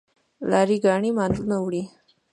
لاری ګانې مالونه وړي.